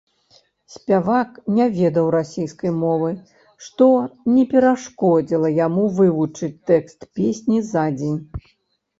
Спявак не ведаў расейскай мовы, што не перашкодзіла яму вывучыць тэкст песні за дзень.